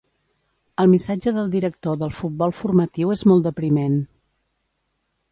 El missatge del director del Futbol Formatiu és molt depriment.